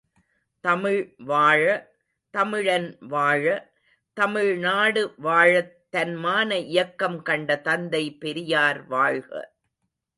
தமிழ் வாழ, தமிழன் வாழ, தமிழ்நாடு வாழத் தன்மான இயக்கம் கண்ட தந்தை பெரியார் வாழ்க!